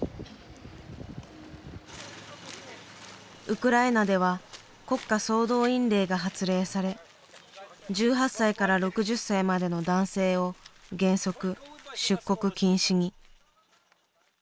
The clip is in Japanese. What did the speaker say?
ウクライナでは国家総動員令が発令され１８歳から６０歳までの男性を原則出国禁止に。